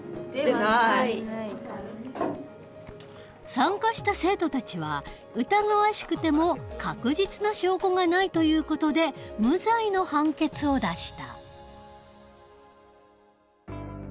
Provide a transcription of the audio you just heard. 参加した生徒たちは疑わしくても確実な証拠がないという事で無罪の判決を出した。